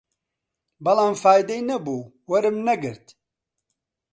بەڵام فایدەی نەبوو، وەرم نەگرت